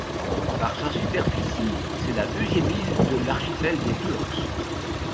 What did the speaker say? Par sa superficie, c'est la deuxième île de l'archipel des Turks.